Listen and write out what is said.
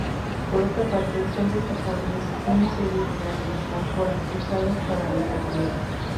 Por otra parte, son destacables una serie de grandes ánforas usadas para enterramientos.